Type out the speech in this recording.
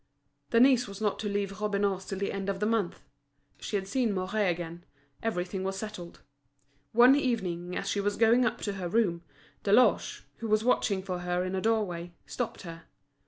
Denise was not to leave Robineau's till the end of the month. She had seen Mouret again; everything was settled. One evening as she was going up to her room, Deloche, who was watching for her in a doorway, stopped her.